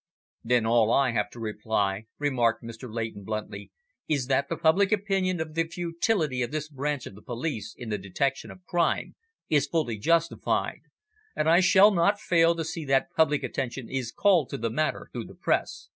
"Then all I have to reply," remarked Mr. Leighton, bluntly, "is that the public opinion of the futility of this branch of the police in the detection of crime is fully justified, and I shall not fail to see that public attention is called to the matter through the Press.